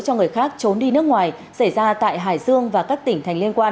cho người khác trốn đi nước ngoài xảy ra tại hải dương và các tỉnh thành liên quan